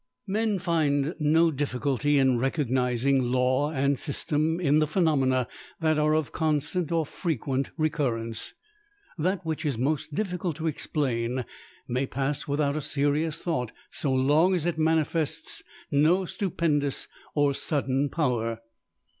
Men find no difficulty in recognizing law and system in the phenomena that are of constant or frequent recurrence. That which is most difficult to explain, may pass without a serious thought so long as it manifests no stupendous or sudden power.